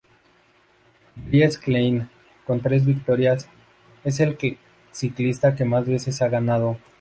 Dries Klein, con tres victorias, es el ciclista que más veces ha ganado.